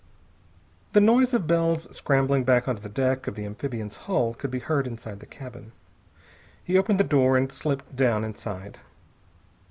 The noise of Bell's scrambling back onto the deck of the amphibian's hull could be heard inside the cabin. He opened the door and slipped down inside.